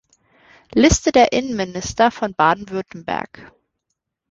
Liste der Innenminister von Baden-Württemberg